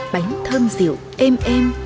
bánh thơm dịu êm êm